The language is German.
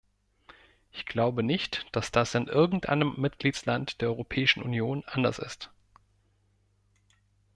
Ich glaube nicht, dass das in irgend einem Mitgliedsland der Europäischen Union anders ist.